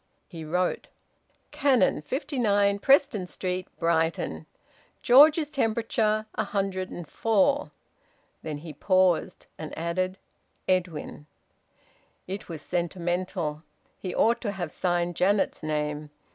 He wrote, "Cannon, 59 Preston Street, Brighton. George's temperature 104." Then he paused, and added, "Edwin." It was sentimental. He ought to have signed Janet's name.